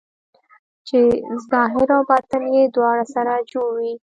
چې ظاهر او باطن یې دواړه سره جوړ وي.